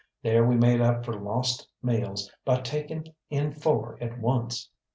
There we made up for lost meals by taking in four at once.